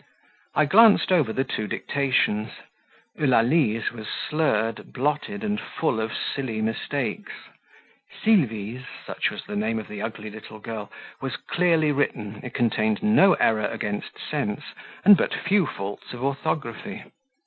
I glanced over the two dictations; Eulalie's was slurred, blotted, and full of silly mistakes Sylvie's (such was the name of the ugly little girl) was clearly written, it contained no error against sense, and but few faults of orthography.